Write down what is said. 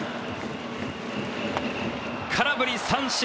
空振り三振。